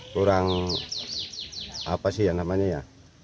kurang apa sih ya namanya ya